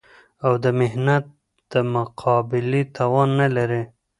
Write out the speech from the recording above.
او د محنت د مقابلې توان نه لري